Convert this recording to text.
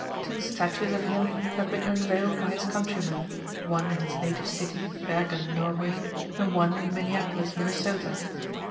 Two statues of him have been unveiled by his countrymen, one in his native city, Bergen, Norway, and one in Minneapolis, Minnesota.